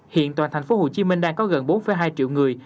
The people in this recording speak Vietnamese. hiện toàn thành phố hồ chí minh đang có gần bốn hai triệu người